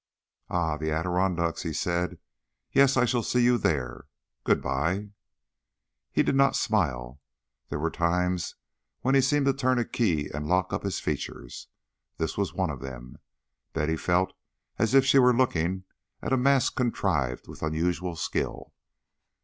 "Ah, the Adirondacks!" he said. "Yes, I shall see you there. Good bye." He did not smile. There were times when he seemed to turn a key and lock up his features. This was one of them. Betty felt as if she were looking at a mask contrived with unusual skill.